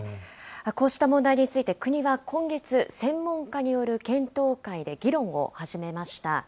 こうした問題について国は今月、専門家による検討会で議論を始めました。